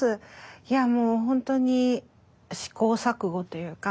いやもう本当に試行錯誤というか。